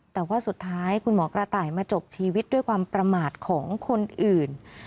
แต่ว่าสุดท้ายคุณหมอกระต่ายมาจบชีวิตด้วยความประมาทของคนอื่น